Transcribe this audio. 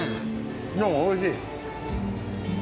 おいしい。